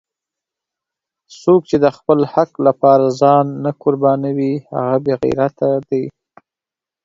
څوک چې د خپل حق لپاره ځان نه قربانوي هغه بېغیرته دی!